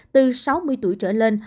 từ sáu mươi tuổi trở lên